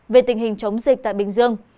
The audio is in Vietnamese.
về tình hình chống dịch tại bình dương